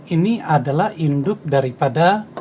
ini adalah induk daripada